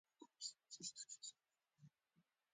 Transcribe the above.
د تودوخې تاثیر د بکټریاوو په وده باندې مهم دی.